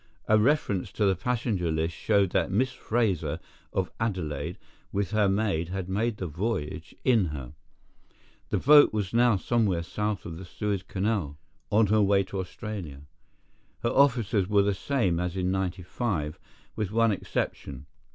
A reference to the passenger list showed that Miss Fraser, of Adelaide, with her maid had made the voyage in her. The boat was now somewhere south of the Suez Canal on her way to Australia. Her officers were the same as in '95, with one exception.